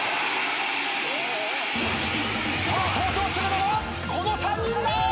登場するのはこの３人だ！